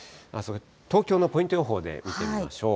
東京のポイント予報で見てみましょう。